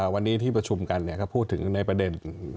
วันนี้ที่ประชุมกันก็พูดถึงในประเด็น